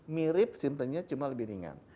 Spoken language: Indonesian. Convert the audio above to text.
mirip simptonnya cuma lebih ringan